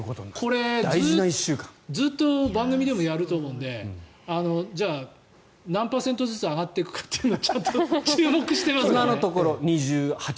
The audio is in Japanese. これ、ずっと番組でもやると思うので何パーセントずつ上がっていくのかちょっと注目してます。